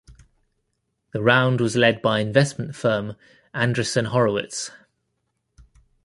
The round was led by investment firm Andreessen Horowitz.